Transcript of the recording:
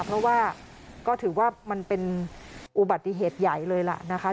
เพราะว่าก็ถือว่ามันเป็นอุบัติเหตุใหญ่เลยล่ะนะคะ